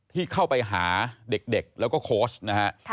ที่เข้าไปหาเด็กแล้วก็โค้ชนะฮะ